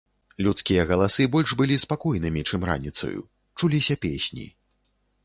Людскія галасы больш былі спакойнымі, чым раніцаю, чуліся песні.